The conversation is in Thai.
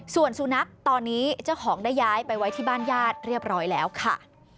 ส่วนสุนัขตอนนี้เจ้าของได้ย้ายไปไว้ที่บ้านญาติเรียบร้อยแล้วค่ะ